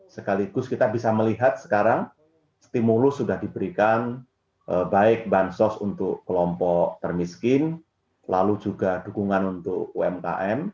sekaligus kita bisa melihat sekarang stimulus sudah diberikan baik bansos untuk kelompok termiskin lalu juga dukungan untuk umkm